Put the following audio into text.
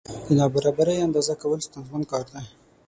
د نابرابرۍ اندازه کول ستونزمن کار دی.